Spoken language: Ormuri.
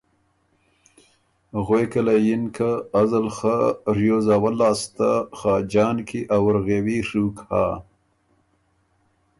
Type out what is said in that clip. غوېکه له یِن که ”ازل خه ریوز اول لاسته خاجان کی ا وُرغېوي ڒُوک هۀ